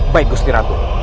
baik gusti ratu